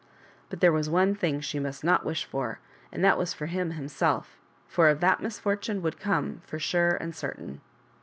But there was one thing she must not wish for, and that was for him himself, for of that misfortune would come for sure and certain.